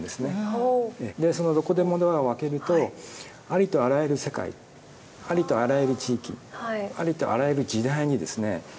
そのどこでもドアを開けるとありとあらゆる世界ありとあらゆる地域ありとあらゆる時代にですね